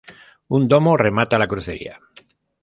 Un domo remata la crucería.